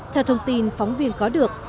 theo thông tin phóng viên có được